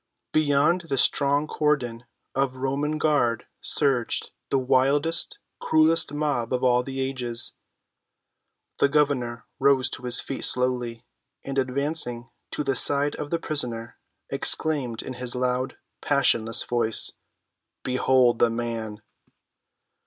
Beyond the strong cordon of the Roman guard surged the wildest, cruelest mob of all the ages. The governor rose to his feet slowly, and, advancing to the side of the prisoner, exclaimed in his loud, passionless voice, "Behold the man!"